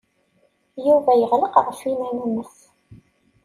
Yuba yeɣleq ɣef yiman-nnes.